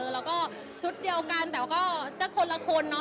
แล้วก็ชุดเดียวกันแต่ก็คนละคนเนาะ